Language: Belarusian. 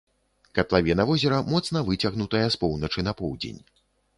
Катлавіна возера моцна выцягнутая з поўначы на поўдзень.